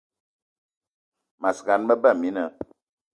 Mas gan, me ba mina.